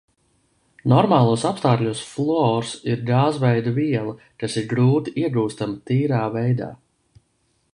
Normālos apstākļos fluors ir gāzveida viela, kas ir grūti iegūstama tīrā veidā.